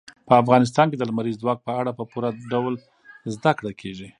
په افغانستان کې د لمریز ځواک په اړه په پوره ډول زده کړه کېږي.